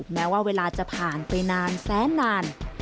แม้ว่าเวลาจะผ่านไปนานแสนนาน